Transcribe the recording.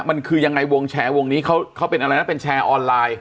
มันคือยังไงวงแชร์วงนี้เขาเป็นอะไรนะเป็นแชร์ออนไลน์